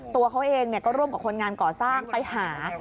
ตัวเขาเองก็ร่วมกับคนงานก่อสร้างไปหา